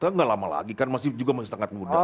nggak lama lagi kan masih juga masih sangat muda